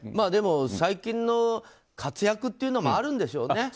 でも、最近の活躍というのもあるんでしょうね。